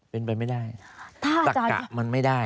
เป็นแบบงี้เตะขาก้ะมันไม่ได้